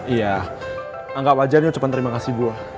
iya anggap wajarnya ucapan terima kasih gue